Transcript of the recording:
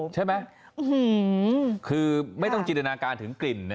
ใช่ไหมคือไม่ต้องจินตนาการถึงกลิ่น